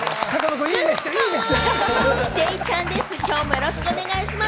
よろしくお願いします。